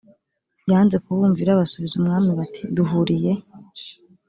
yanze kubumvira basubiza umwami bati duhuriye